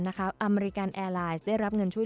และการบริการผู้โดยสาร๑๒๗๕ราย